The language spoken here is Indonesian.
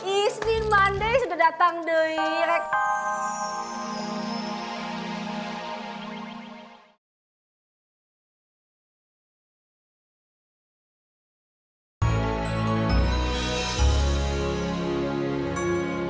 ismi mande sudah datang dwi